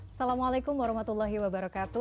assalamualaikum warahmatullahi wabarakatuh